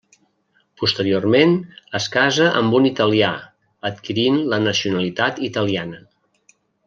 Posteriorment es casa amb un italià, adquirint la nacionalitat italiana.